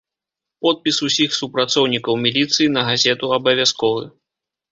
Подпіс усіх супрацоўнікаў міліцыі на газету абавязковы.